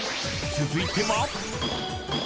［続いては］